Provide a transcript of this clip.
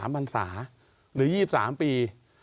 ๒๓ปันสาหรือ๒๓ปี